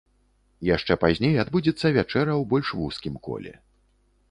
Яшчэ пазней адбудзецца вячэра ў больш вузкім коле.